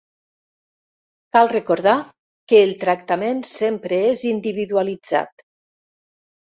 Cal recordar que el tractament sempre és individualitzat.